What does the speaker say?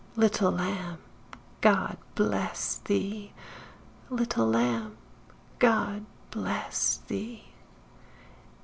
Little Lamb, God bless thee! Little Lamb, God bless thee!